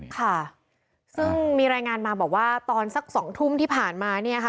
ค่ะซึ่งมีรายงานมาบอกว่าตอนสัก๒ทุ่มที่ผ่านมาเนี่ยค่ะ